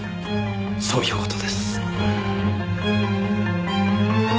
そういう事です。